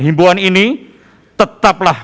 himbuan ini tetaplah